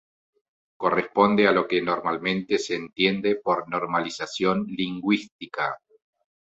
Corresponde a lo que normalmente se entiende por "Normalización lingüística".